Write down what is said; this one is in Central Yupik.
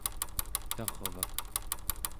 tarvak